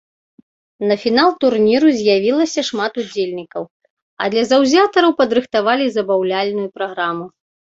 На фінал турніру з'явілася шмат удзельнікаў, а для заўзятараў падрыхтавалі забаўляльную праграму.